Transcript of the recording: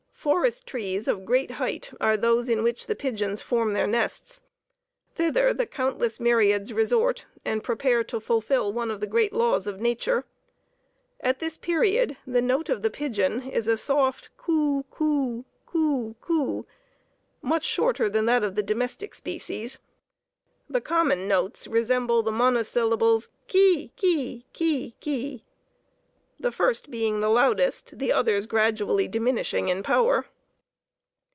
Forest trees of great height are those in which the pigeons form their nests. Thither the countless myriads resort, and prepare to fulfill one of the great laws of nature. At this period the note of the pigeon is a soft coo coo coo coo much shorter than that of the domestic species. The common notes resemble the monosyllables kee kee kee kee, the first being the loudest, the others gradually diminishing in power.